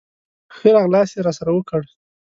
ښه راغلاست یې راسره وکړ.